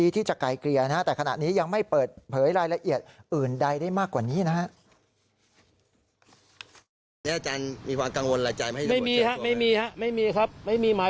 แต่ขณะนี้ยังไม่เปิดเผยรายละเอียดอื่นใดได้มากกว่านี้นะฮะ